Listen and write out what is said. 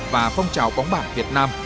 và phong trào bóng bàn việt nam